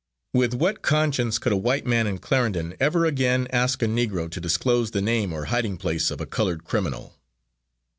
With what conscience could a white man in Clarendon ever again ask a Negro to disclose the name or hiding place of a coloured criminal?